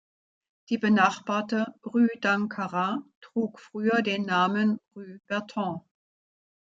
Die benachbarte Rue d’Ankara trug früher den Namen "Rue Berton".